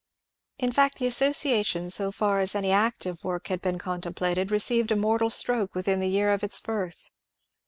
In fact the association, so far as any active work had been contemplated, received a mortal stroke within the year of its birth.